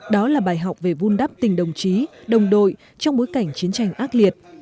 đó là bài học về vun đắp tình đồng chí đồng đội trong bối cảnh chiến tranh ác liệt